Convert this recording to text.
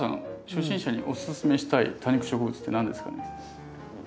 初心者におススメしたい多肉植物って何ですかね？